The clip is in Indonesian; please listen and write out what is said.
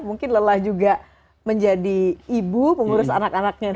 mungkin lelah juga menjadi ibu pengurus anak anaknya